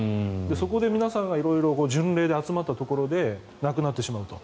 そこで皆さんが色々巡礼で集まったところで亡くなってしまうと。